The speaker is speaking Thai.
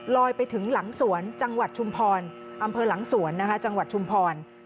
ลอยไปถึงหลังสวนจังหวัดชุมพร